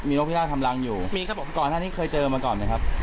อ๋อมีนกพิราบทำรังอยู่มีครับผมก่อนอันนี้เคยเจอมาก่อนไหมครับ